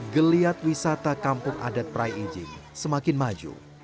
geliat wisata kampung adat prai ijing semakin maju